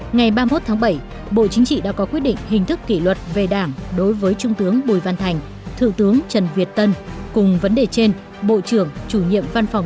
ngày ba mươi một tháng bảy bộ chính trị đã có quyết định hình thức kỷ luật về đảng đối với trung tướng bùi văn thành thượng tướng trần việt tân cùng vấn đề trên bộ trưởng chủ nhiệm văn phòng